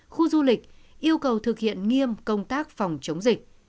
khu du lịch yêu cầu thực hiện nghiêm công tác phòng chống dịch